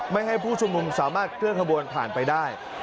ไม่ให้ผู้ชุมนุมสามารถเคลื่อนขบวนผ่านไปได้